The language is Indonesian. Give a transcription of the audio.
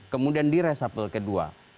kemudian di resapel kedua